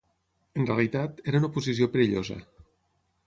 En realitat, era una posició perillosa.